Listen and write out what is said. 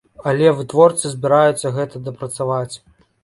Але вытворцы збіраюцца гэта дапрацаваць.